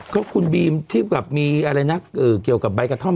ก็คุณบีมที่แบบมีอะไรนะเกี่ยวกับใบกระท่อม